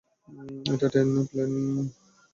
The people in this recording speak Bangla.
এটা ট্রেন নয়, প্লেন।